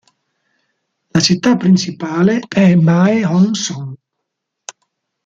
La città principale è Mae Hong Son.